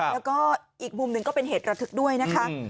แล้วก็อีกมุมหนึ่งก็เป็นเหตุระทึกด้วยนะคะ